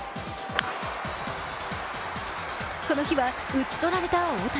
この日は打ち取られた大谷。